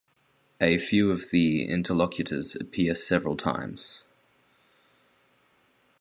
A few of the interlocutors appear several times.